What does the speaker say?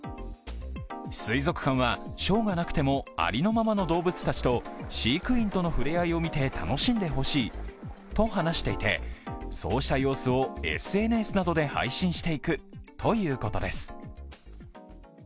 水族館は、ショーがなくてもありのままの動物たちと飼育員との触れ合いを見て楽しんでほしいと話していてそうした様子をＳＮＳなどで配信していくということです。